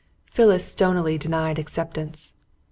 Phyllis stonily denied acceptance.